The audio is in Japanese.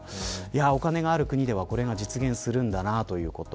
お金がある国では、これが実現するんだなということ。